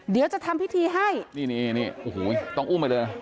เดี๋ยวจะทำพิธีให้นี่นี่โอ้โหต้องอุ้มไปเลยนะ